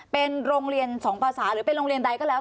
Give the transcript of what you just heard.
เป็นโรงเรียน๒ภาษาหรือเป็นโรงเรียนใดก็แล้ว